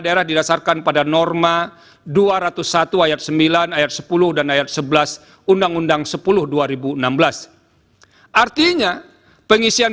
daerah didasarkan pada norma dua ratus satu ayat sembilan ayat sepuluh dan ayat sebelas undang undang sepuluh dua ribu enam belas artinya pengisian